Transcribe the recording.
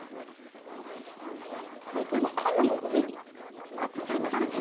これ今缶の上にのせましたね？